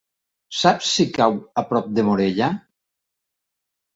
Saps si cau a prop de Morella?